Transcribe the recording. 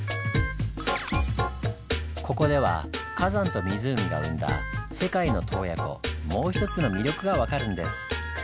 ここでは火山と湖が生んだ「世界の洞爺湖」もうひとつの魅力が分かるんです。